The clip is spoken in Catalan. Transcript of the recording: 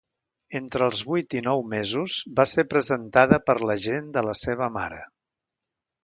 Entre els vuit i nous mesos va ser presentada per l'agent de la seva mare.